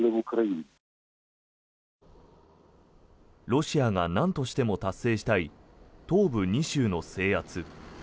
ロシアがなんとしても達成したい東部２州の制圧。